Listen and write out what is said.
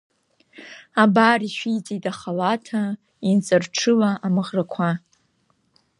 Абар ишәиҵеит ахалаҭа, инҵарҽыла амаӷрақәа…